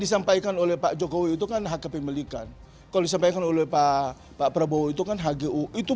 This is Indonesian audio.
disampaikan oleh pak jokowi itu kan hak kepemilikan kalau disampaikan oleh pak pak prabowo itu kan hgu itu